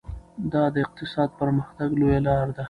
دا د اقتصادي پرمختګ لویه لار ده.